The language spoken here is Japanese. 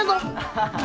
ハハハ。